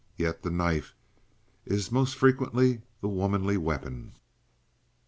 Yet the knife is most frequently the womanly weapon.